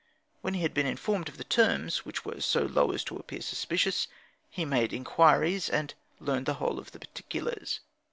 When he had been informed of the terms, which were so low as to appear suspicious, he made inquiries, and learned the whole of the particulars.